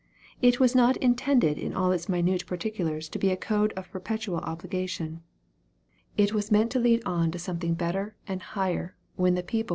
It was not intended in all its minute particulars to be a code of perpetual obliga tion. It was meant to lead on to something better and higher, when MARK, CHAP. X.